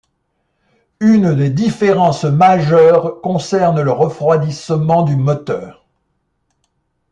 Une des différences majeures concerne le refroidissement du moteur.